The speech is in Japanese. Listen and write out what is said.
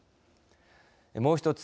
もう一つ